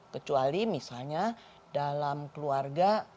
kecuali misalnya dalam keluarga